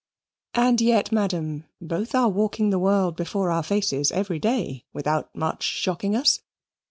And yet, madam, both are walking the world before our faces every day, without much shocking us.